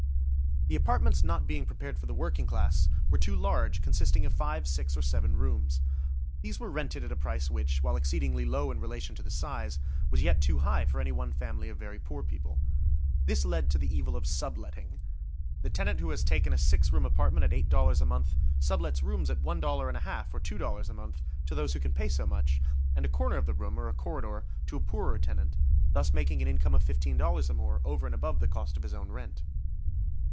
The apartments not being prepared for the working class, were too large, consisting of five, six, or seven rooms. These were rented at a price which, while exceedingly low in relation to the size, was yet too high for any one family of very poor people. This led to the evil of subletting. The tenant who has taken a six room apartment at eight dollars a month sublets rooms at one dollar and a half or two dollars a month to those who can pay so much, and a corner of a room, or a corridor, to a poorer tenant, thus making an income of fifteen dollars or more, over and above the cost of his own rent.